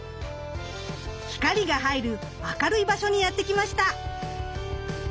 光が入る明るい場所にやって来ました。